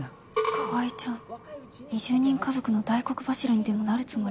川合ちゃん２０人家族の大黒柱にでもなるつもり？